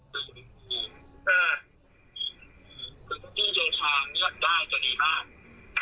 คือพี่เจชาเงียบได้จะดีมาก